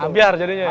ambiar jadinya ya